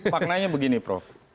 maknanya begini prof